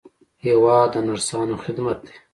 هېواد د نرسانو خدمت دی.